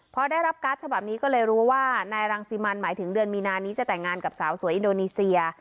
พอได้รับการ์ดฉบับนี้ก็เลยรู้ว่านายรังสิมันหมายถึงเดือนมีนานี้จะแต่งงานกับสาวสวยอินโดนีเซีย